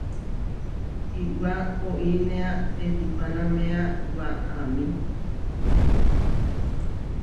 Iʼwá oinéa tekihpanaméa waʼámi.